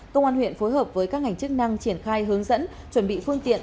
công an huyện phối hợp với các ngành chức năng triển khai hướng dẫn chuẩn bị phương tiện